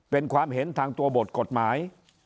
เป็นความเห็นทางตัวบทกฎหมาย